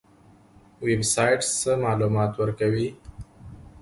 ویب سایټ څه معلومات ورکوي؟